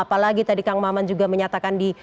apalagi tadi kang maman juga menyatakan di